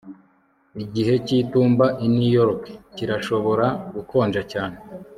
Igihe cyitumba i New York kirashobora gukonja cyane